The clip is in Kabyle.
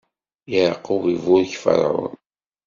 Yeɛqub iburek Ferɛun.